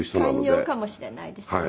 寛容かもしれないですね